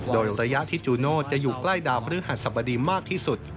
โดยระยะที่จูโน่จะอยู่ใกล้ดาวพฤหัสสบดีมากที่สุด